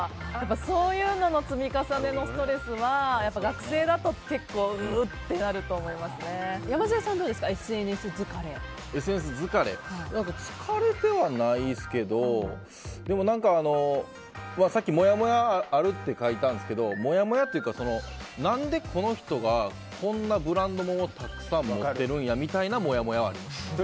そういうのの積み重ねのストレスは学生だと山添さんはどうですかＳＮＳ疲れ疲れてはないですけどさっき、もやもやあるって書いたんですけどもやもやというか何でこの人がこんなブランド物をたくさん買っているんやみたいなもやもやはあります。